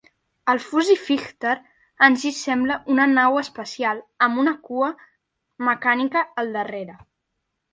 El Fuzzy Fighter en si sembla una nau espacial amb una cua mecànica al darrere.